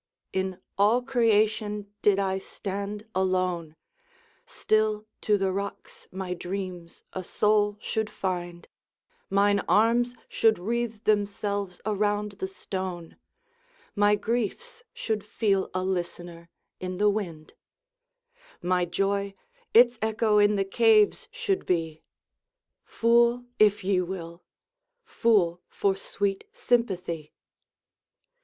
In all creation did I stand alone, Still to the rocks my dreams a soul should find, Mine arms should wreathe themselves around the stone, My griefs should feel a listener in the wind; My joy its echo in the caves should be! Fool, if ye will Fool, for sweet sympathy!